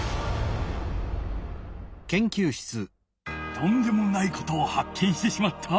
とんでもないことをはっけんしてしまった！